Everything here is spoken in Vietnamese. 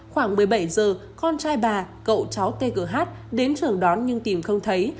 khoảng một mươi bảy h con trai bà cậu cháu tê gỡ hát đến trường đón nhưng tìm không thấy